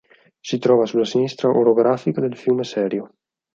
Si trova sulla sinistra orografica del fiume Serio.